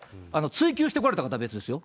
追及してこられた方は別ですよ。